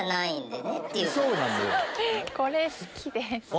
これ好きです！